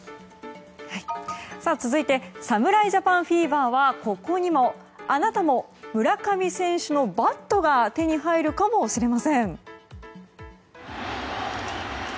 続いて侍ジャパンフィーバーはここにも。あなたも村上選手のバットが手に入るかもしれません。